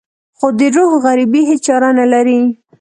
خو د روح غريبي هېڅ چاره نه لري.